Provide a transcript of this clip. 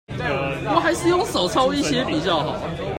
我還是用手抄一些比較好